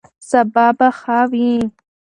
سبا به ښه وي.